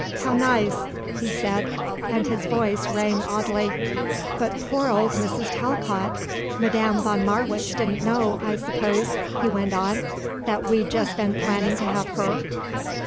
How nice," he said; and his voice rang oddly. "But poor old Mrs. Talcott. Madame von Marwitz didn't know, I suppose," he went on, "that we'd just been planning to have her?"